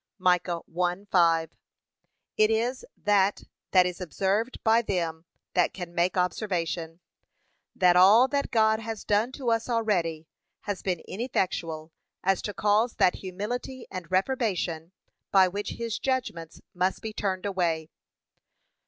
(Micah 1:5) It is that that is observed by them that can make observation, that all that God has done to us already has been ineffectual as to cause that humility and reformation, by which his judgments must be turned away.